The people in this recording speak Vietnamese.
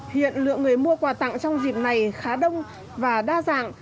hiện lượng người mua quà tặng trong dịp này khá đông và đa dạng